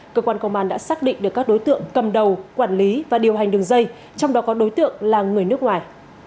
cơ quan công an đã xác định được các đối tượng cầm đầu quản lý và điều hành đường dây trong đó có đối tượng là người nước ngoài